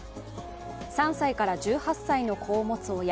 ３歳から１８歳の子を持つ親